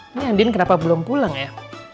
ini andin kenapa belum pulang ya